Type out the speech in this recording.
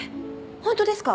ホントですか？